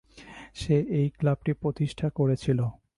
সে এই ক্লাবটি প্রতিষ্ঠা করেছিল।